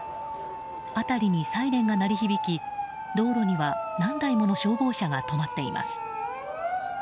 辺りにサイレンが鳴り響き道路には何台もの消防車が止まっています。